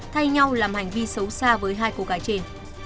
thay nhau làm hành vi xấu xa với hai cô gái trên